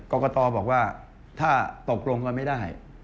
กรกฏอก็บอกว่าถ้าตกลงก็ไม่ได้